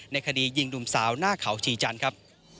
คดียิงหนุ่มสาวหน้าเขาชีจันทร์ครับ